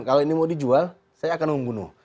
kalau ini mau dijual saya akan membunuh